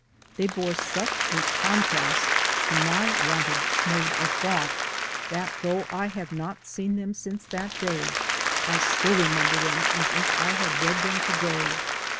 They bore such a contrast to my wonted mode of thought that though I have not seen them since that day I still remember them as if I had read them to day.